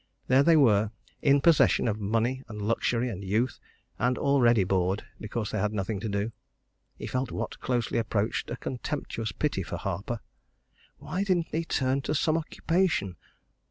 There they were, in possession of money and luxury and youth and already bored because they had nothing to do. He felt what closely approached a contemptuous pity for Harper why didn't he turn to some occupation?